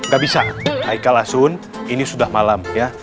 gak bisa aikal asun ini sudah malam ya